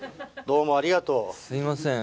すいません。